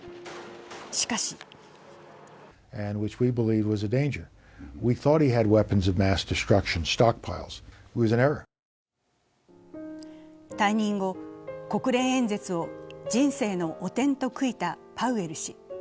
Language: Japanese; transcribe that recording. しかし退任後、国連演説を人生の汚点と悔いたパウエル氏。